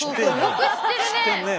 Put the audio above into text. よく知ってるね。